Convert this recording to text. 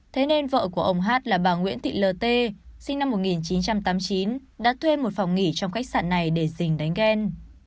thế nên vợ của ông hát là bà nguyễn thị l t sinh năm một nghìn chín trăm tám mươi chín đã thuê một phòng nghỉ trong khách sạn này để dình đánh ghen